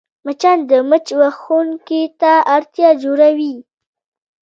مچان د مچ وهونکي ته اړتیا جوړوي